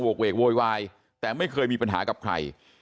กเวกโวยวายแต่ไม่เคยมีปัญหากับใคร